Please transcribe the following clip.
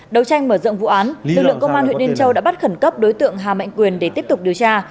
đầu tranh mở rộng vụ án lực lượng công an huyện yên châu đã bắt khẩn cấp đối tượng hà mạnh quyền để tiếp tục điều tra